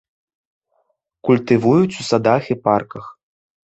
Культывуюць у садах і парках.